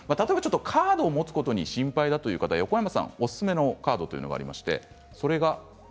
カードを持つことが心配だという方、おすすめのカードがあります。